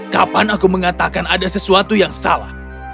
kapan aku mengatakan ada sesuatu yang salah